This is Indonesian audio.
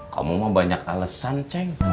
kamu mah banyak alesan ceng